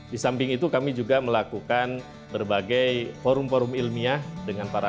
di samping itu kami juga melakukan berbagai forum forum ilmiah dengan para